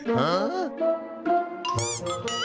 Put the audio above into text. หื้อ